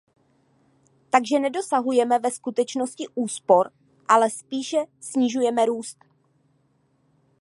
Takže nedosahujeme ve skutečnosti úspor, ale spíše snižujeme růst.